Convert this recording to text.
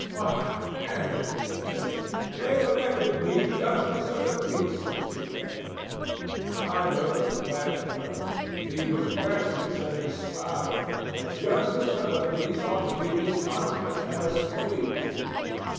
"Why, Andy," says he, "they've elected me justice of the peace since you left." I looked at Mack close. He was restless and inspired. A justice of the peace ought to be disconsolate and assuaged.